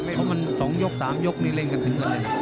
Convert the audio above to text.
เพราะมัน๒ยก๓ยกไม่เล่นกัน